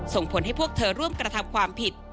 ส่งผลให้พวกเธอร่วมกระทำความผิด